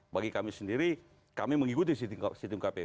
bagi kami sendiri kami mengikuti situng kpu